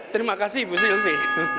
terima kasih ibu silvi